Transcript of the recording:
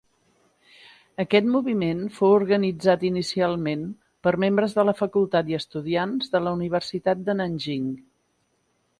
Aquest moviment fou organitzat inicialment per membres de la facultat i estudiants de la universitat de Nanjing.